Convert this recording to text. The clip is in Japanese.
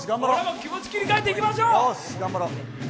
気持ち切り替えていきましょう！